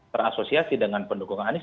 terasosiasi dengan pendukung anies